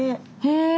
へえ。